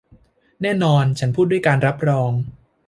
แน่นอน ฉันพูดด้วยการรับรอง